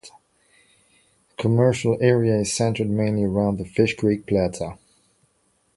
The commercial area is centered mainly around the Fish Creek plaza.